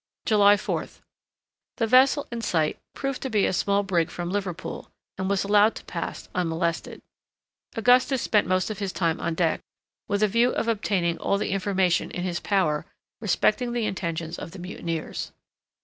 July 4th. The vessel in sight proved to be a small brig from Liverpool, and was allowed to pass unmolested. Augustus spent most of his time on deck, with a view of obtaining all the information in his power respecting the intentions of the mutineers.